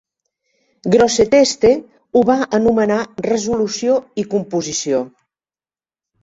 Grosseteste ho va anomenar "resolució i composició".